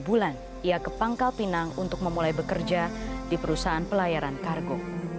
dua bulan ia ke pangkal pinang untuk memulai bekerja di perusahaan pelayaran kargo